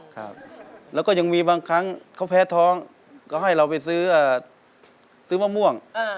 ครับแล้วก็ยังมีบางครั้งเขาแพ้ท้องก็ให้เราไปซื้อซื้อมะม่วง